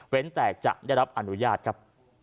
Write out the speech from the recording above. แต่จะได้รับอนุญาตครับ